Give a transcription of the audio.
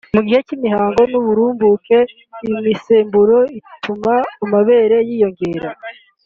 mu gihe cy’imihango n’uburumbuke imisemburo ituma amabere yiyongera